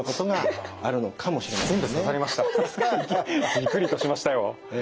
ギクリとしましたよ。